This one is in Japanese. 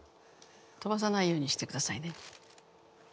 飛ばさないようにしてくださいね。